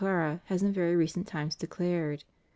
335 " Praedara," has in very recent times declared.